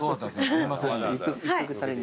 すいませんね。